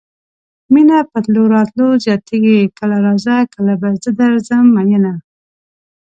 مينه په تلو راتلو زياتيږي کله راځه کله به زه درځم مينه